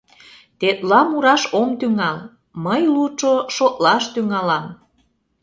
Тетла мураш ом тӱҥал, мый лучо шотлаш тӱҥалам...